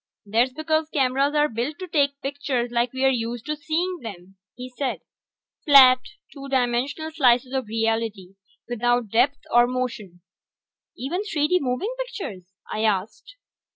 "That's because cameras are built to take pictures like we're used to seeing them," he said. "Flat, two dimensional slices of reality, without depth or motion." "Even 3 D moving pictures?" I asked.